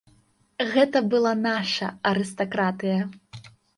Гэта была наша арыстакратыя.